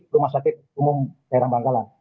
rumah sakit umum daerah bangkalan